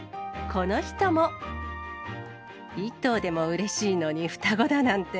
１頭でもうれしいのに、双子だなんて。